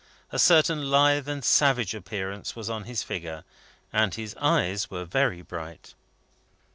A certain lithe and savage appearance was on his figure, and his eyes were very bright.